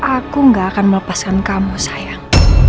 aku gak akan melepaskan kamu sayang